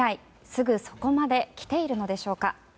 すぐそこまで来ているのでしょうか。